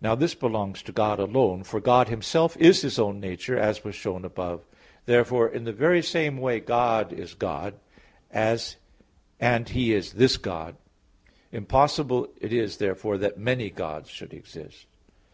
Now this belongs to God alone; for God Himself is His own nature, as was shown above (Q. 3, A. 3). Therefore, in the very same way God is God, and He is this God. Impossible is it therefore that many Gods should exist.